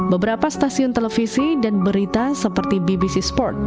beberapa stasiun televisi dan berita seperti bbc sport